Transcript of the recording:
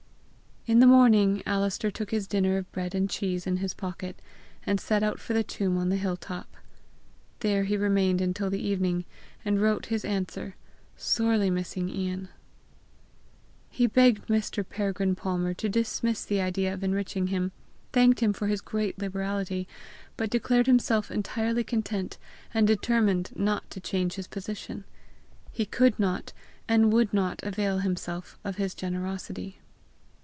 In the morning, Alister took his dinner of bread and cheese in his pocket, and set out for the tomb on the hill top. There he remained until the evening, and wrote his answer, sorely missing Ian. He begged Mr. Peregrine Palmer to dismiss the idea of enriching him, thanked him for his great liberality, but declared himself entirely content, and determined not to change his position. He could not and would not avail himself of his generosity.